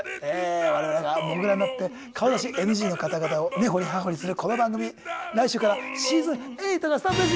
我々がモグラになって顔出しＮＧの方々をねほりはほりするこの番組来週からシーズン８がスタートです。